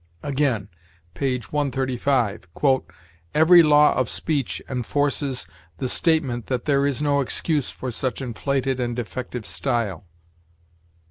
Again, p. 135: "Every law of speech enforces the statement that there is no excuse for such inflated and defective style.